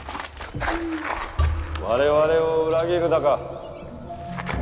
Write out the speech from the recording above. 我々を裏切るだか？